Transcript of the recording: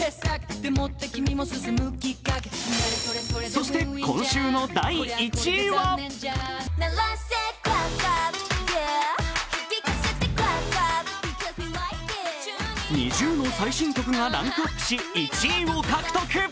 そして今週の第１位はＮｉｚｉＵの最新曲がランクアップし１位を獲得。